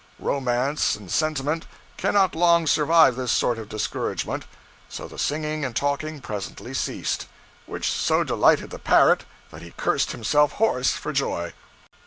Romance and sentiment cannot long survive this sort of discouragement; so the singing and talking presently ceased; which so delighted the parrot that he cursed himself hoarse for joy.